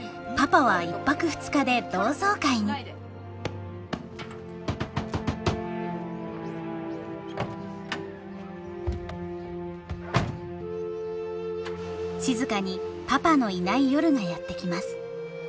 そんな時静にパパのいない夜がやって来ます。